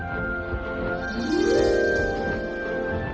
sama seperti cinta kalian berdua